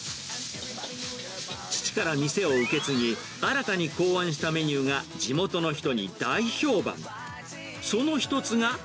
父から店を受け継ぎ、新たに考案したメニューが地元の人に大評判。